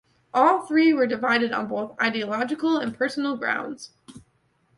All three were divided on both ideological and personal grounds.